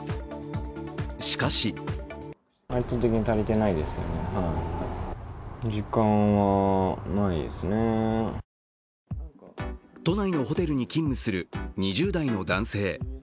しかし都内のホテルに勤務する２０代の男性。